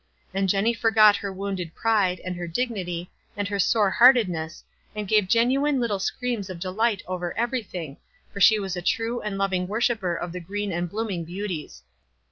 And Jenny forgot her wounded pride, and her dignity, and her sore heartcdness, and gave genuine little screams of delight over everything, for she was a true and loving worshiper of the green and blooming >3auties.